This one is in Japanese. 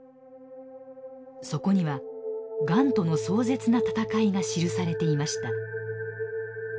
そこにはがんとの壮絶な闘いが記されていました。